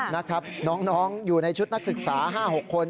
นะครับน้องอยู่ในชุดนักศึกษา๕๖คน